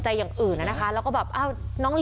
เจ็บท้องอะ